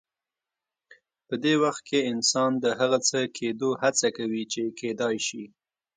په دې وخت کې انسان د هغه څه کېدو هڅه کوي چې کېدای شي.